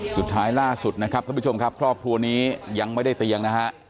สุดท้ายล่าสุดนะครับท่านผู้ชมครับครอบครัวนี้ยังไม่ได้เตียงนะฮะ